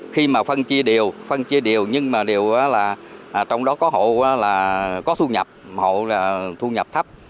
khi mà phân chia đều phân chia đều nhưng mà đều là trong đó có hộ là có thu nhập hộ là thu nhập thấp